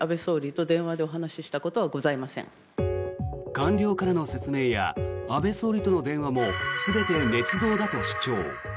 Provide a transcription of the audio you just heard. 官僚からの説明や安倍総理との電話も全てねつ造だと主張。